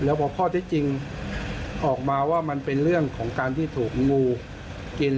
แล้วพอข้อที่จริงออกมาว่ามันเป็นเรื่องของการที่ถูกงูกิน